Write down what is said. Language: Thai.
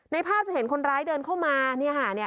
ภาพจะเห็นคนร้ายเดินเข้ามาเนี่ยค่ะ